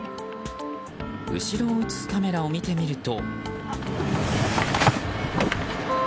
後ろを映すカメラを見てみると。